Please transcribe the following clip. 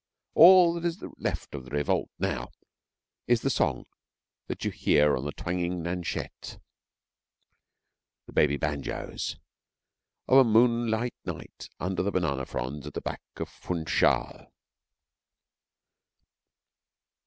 All that is left of the revolt now is the song that you hear on the twangling nachettes, the baby banjoes, of a moonlight night under the banana fronds at the back of Funchal.